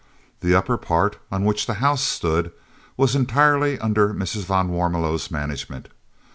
The upper part, on which the house stood, was entirely under Mrs. van Warmelo's management.